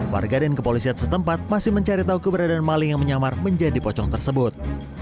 warga dan kepolisian setempat masih mencari tahu keberadaan maling yang menyamar menjadi pocong tersebut